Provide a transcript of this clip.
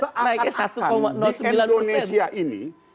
seakan akan di indonesia ini